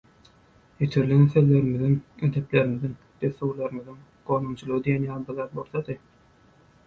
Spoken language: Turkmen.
Ýitirilen sözlerimiziň, edeplerimiziň, dessurlarymyzyň gonamçylygy diýen ýaly bir ýer bolsady